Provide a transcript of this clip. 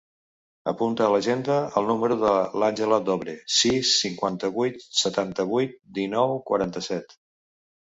Apunta a l'agenda el número de l'Àngela Dobre: sis, cinquanta-vuit, setanta-vuit, dinou, quaranta-set.